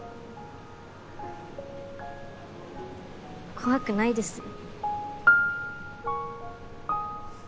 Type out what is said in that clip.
怖くないですよ。